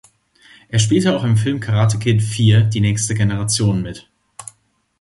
Er spielte auch im Film „Karate Kid IV – Die nächste Generation“ mit.